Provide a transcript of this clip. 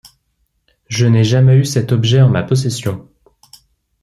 Je n’ai jamais eu cet objet en ma possession.